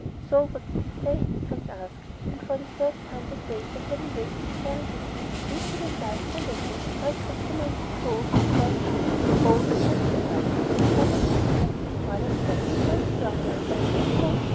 "So what did he say?" Chris asked, and for the first time that day the heavy weight he carried within him lifted and lightened a little. Mike examined the toe of his worn shoe. "Oh, he just smiled, that funny little crackly smile, and said, 'I'm sorry, young man, you won't do.'"